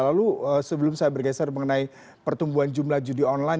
lalu sebelum saya bergeser mengenai pertumbuhan jumlah judi online